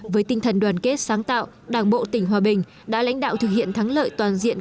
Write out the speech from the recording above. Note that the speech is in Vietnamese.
với tinh thần đoàn kết sáng tạo đảng bộ tỉnh hòa bình đã lãnh đạo thực hiện thắng lợi toàn diện